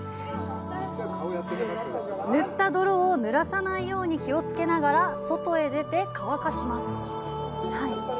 塗った泥をぬらさないように気をつけながら外へ出て乾かします。